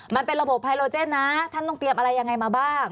มันเป็นระบบไฮโลเจนนะท่านต้องเตรียมอะไรยังไงมาบ้าง